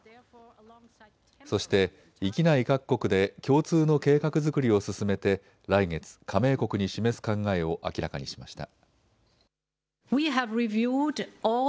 そして域内各国で共通の計画作りを進めて来月、加盟国に示す考えを明らかにしました。